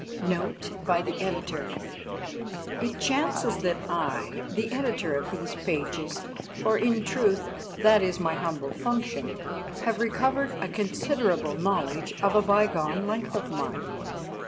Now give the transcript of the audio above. NOTE BY THE EDITOR It chances that I, the Editor of these pages for, in truth, that is my humble function have recovered a considerable knowledge of a bygone life of mine.